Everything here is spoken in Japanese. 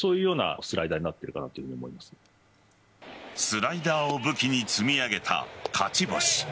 スライダーを武器に積み上げた勝ち星。